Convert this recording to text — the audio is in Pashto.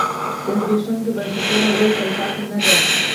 د زبېښونکو بنسټونو وده تلپاتې نه ده.